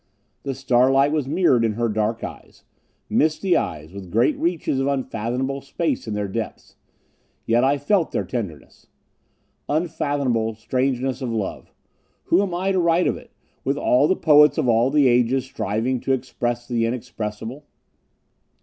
The starlight was mirrored in her dark eyes. Misty eyes, with great reaches of unfathomable space in their depths. Yet I felt their tenderness. Unfathomable strangeness of love! Who am I to write of it, with all the poets of all the ages striving to express the unexpressible?